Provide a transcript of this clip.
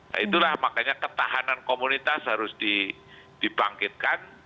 nah itulah makanya ketahanan komunitas harus dibangkitkan